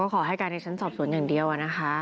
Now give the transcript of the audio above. เขาก็ขอให้การในชั้นสอบศูนย์อย่างเดียวอะนะคะ